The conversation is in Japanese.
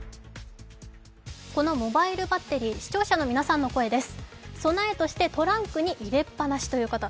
このモバイルバッテリー、視聴者の皆さんの声です。